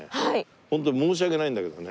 ホントに申し訳ないんだけどね。